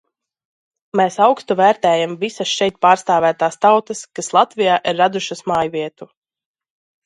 Mēs augstu vērtējam visas šeit pārstāvētās tautas, kas Latvijā ir radušas mājvietu.